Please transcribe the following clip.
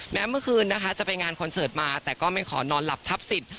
เมื่อคืนนะคะจะไปงานคอนเสิร์ตมาแต่ก็ไม่ขอนอนหลับทับสิทธิ